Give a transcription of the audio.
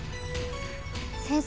先生。